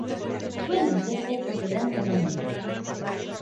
Suelen ser peces de gran tamaño.